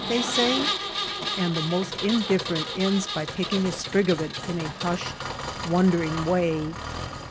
they say; and the most indifferent ends by picking a sprig of it in a hushed, wondering way.